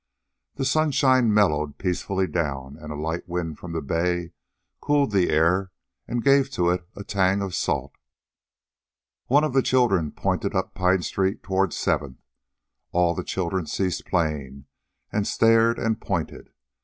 The sunshine mellowed peacefully down, and a light wind from the bay cooled the air and gave to it a tang of salt. One of the children pointed up Pine Street toward Seventh. All the children ceased playing, and stared and pointed.